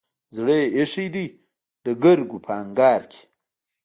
زړه يې ايښی دی دګرګو په انګار کې